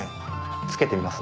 着けてみます？